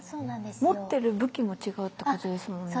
持ってる武器も違うってことですもんね。